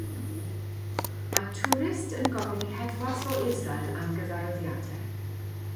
Mae twrist yn gofyn i heddwas o Israel am gyfarwyddiadau.